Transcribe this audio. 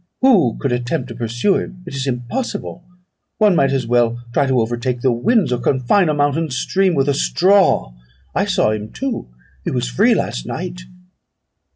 who could attempt to pursue him? It is impossible; one might as well try to overtake the winds, or confine a mountain stream with a straw. I saw him too; he was free last night!"